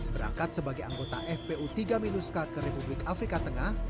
berangkat sebagai anggota fpu tiga minus k ke republik afrika tengah